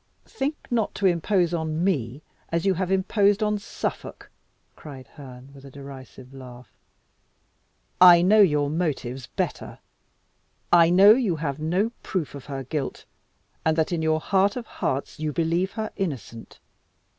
"Think not to impose on me as you have imposed on Suffolk!" cried Herne, with a derisive laugh. "I know your motives better; I know you have no proof of her guilt, and that in your heart of hearts you believe her innocent.